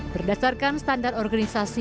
berdasarkan standar organisasi